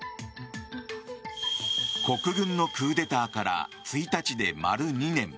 国軍のクーデターから１日で丸２年。